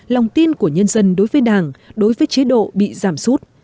lòng tin của nhân dân đối với đảng đối với chế độ bị giảm sút